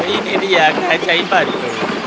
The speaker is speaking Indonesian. ini dia kaca imbar itu